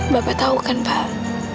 bapak tau kan pak